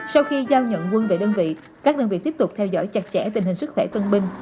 sau khi giao nhận quân về đơn vị các đơn vị tiếp tục theo dõi chặt chẽ tình hình sức khỏe tân binh